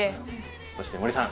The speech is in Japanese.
そして森さん